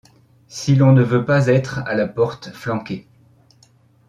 Si l’on ne veut pas être à la porte flanqué